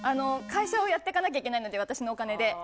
会社をやってかなきゃいけないので私のお金で。